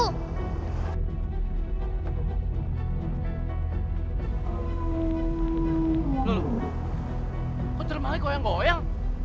loh kok termalik goyang goyang